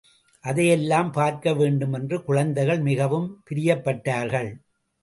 அதையெல்லாம் பார்க்கவேண்டுமென்று குழந்தைகள் மிகவும் பிரியப்பட்டார்கள்.